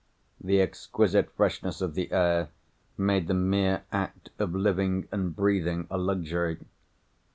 The exquisite freshness of the air made the mere act of living and breathing a luxury.